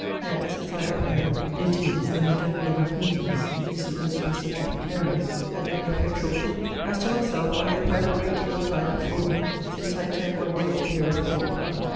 Hence, as I apprehend, it is that a death bed repentance is supposed to be such a precarious and ineffectual thing. As to myself, I hope I have a great deal of time before me; since I intend one day to be a reformed man.